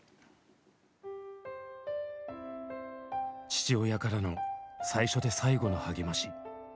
父親からの最初で最後の励まし。